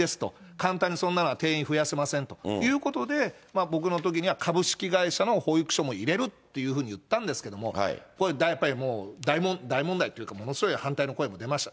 簡単にそんなのは定員増やせませんということで、僕のときには、株式会社の保育所も入れるっていうふうに言ったんですけれども、これはやっぱり大問題というか、ものすごい反対の声も出ました。